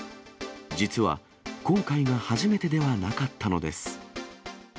実は、今回が初めてではなかったのです。